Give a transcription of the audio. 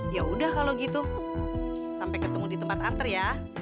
yaudah kalau gitu sampai ketemu di tempat antar ya